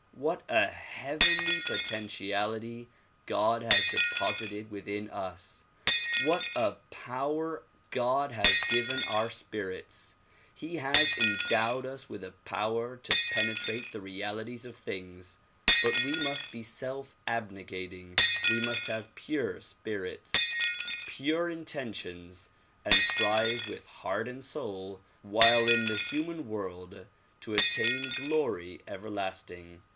What a heavenly potentiality God has deposited within us! What a power God has given our spirits! He has endowed us with a power to penetrate the realities of things ; but we must be self abnegating, we must have pure spirits, pure intentions, and strive with heart and soul while in the human world, to attain glory everlasting.